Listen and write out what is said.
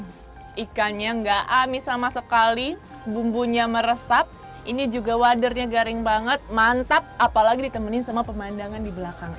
kalau ikannya nggak amis sama sekali bumbunya meresap ini juga waternya garing banget mantap apalagi ditemenin sama pemandangan di belakang